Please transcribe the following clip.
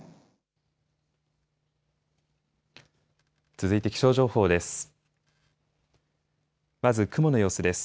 続いて気象情報です。